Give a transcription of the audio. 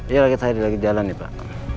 iya lagi tadi lagi jalan nih pak